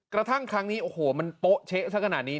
กระทั่งครั้งนี้โอ้โหมันโป๊ะเช๊ะสักขนาดนี้